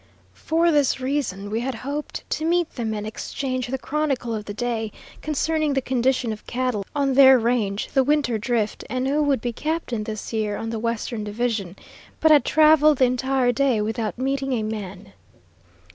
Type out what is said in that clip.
For this reason we had hoped to meet them and exchange the chronicle of the day, concerning the condition of cattle on their range, the winter drift, and who would be captain this year on the western division, but had traveled the entire day without meeting a man.